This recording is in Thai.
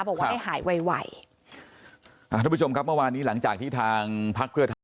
บอกว่าให้หายไว